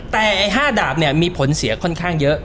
แต่๕ดาบเนี่ยมีผลเสียค่อนข้างเยอะ